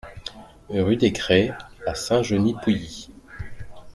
Rue des Crêts à Saint-Genis-Pouilly